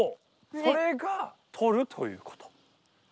それがとるということ。